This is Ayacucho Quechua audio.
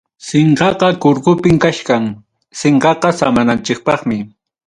Sinqaqa kurkupim kachkan, sinqaqa samananchikpaqmi.